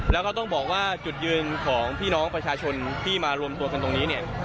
แล้วก็ต้องบอกว่าจุดยืนของพี่น้องประชาชนที่มารวมตัวกันตรงนี้เนี่ย